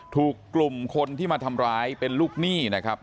ถูกกลุ่มคนที่มาทำร้ายเป็นลูกหนี้นะครับ